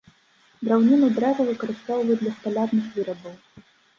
Драўніну дрэва выкарыстоўваюць для сталярных вырабаў.